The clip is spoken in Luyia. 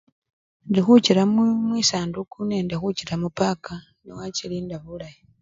Indi khuchira mu! mwisanduku nende khuchira mupaka nowachilinda bulayi.